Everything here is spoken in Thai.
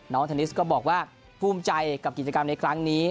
เทนนิสก็บอกว่าภูมิใจกับกิจกรรมในครั้งนี้